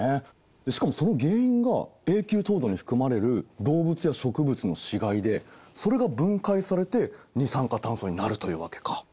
しかもその原因が永久凍土に含まれる動物や植物の死骸でそれが分解されて二酸化炭素になるというわけか。